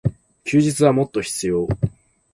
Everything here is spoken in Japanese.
休日はもっと必要。